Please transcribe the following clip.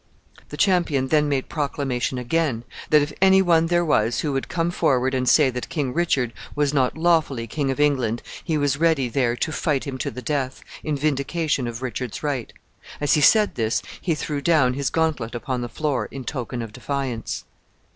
The champion then made proclamation again, that if any one there was who would come forward and say that King Richard was not lawfully King of England, he was ready there to fight him to the death, in vindication of Richard's right. As he said this, he threw down his gauntlet upon the floor, in token of defiance.